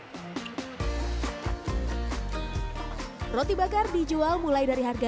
ini adalah roti bakar yang terkait dengan perorangan